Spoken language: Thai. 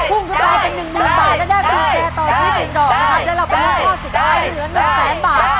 พุ่งทุกไปกันหนึ่งนะครับ